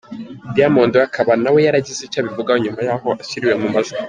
Diamond we akaba nawe yaragize icyo abivugaho nyuma yaho ashyiriwe mu majwi.